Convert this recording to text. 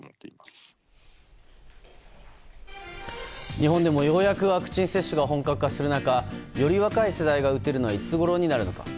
日本でも、ようやくワクチン接種が本格化する中より若い世代が打てるのはいつごろになるのか。